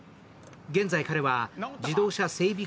現在、彼は自動車整備